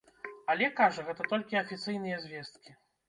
Але, кажа, гэта толькі афіцыйныя звесткі.